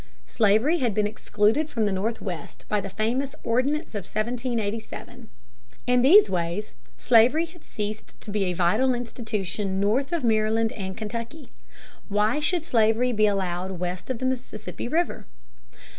Slavery had been excluded from the Northwest by the famous Ordinance of 1787 (p. 135). In these ways slavery had ceased to be a vital institution north of Maryland and Kentucky. Why should slavery be allowed west of the Mississippi River?